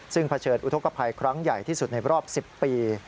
ซึ่งเผชิญอุทธกภัยครั้งใหญ่ที่สุดในรอบ๑๐ปี